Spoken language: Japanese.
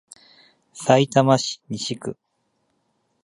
さいたま市西区